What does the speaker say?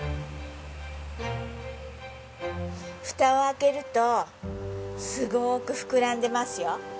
フタを開けるとすごく膨らんでますよ。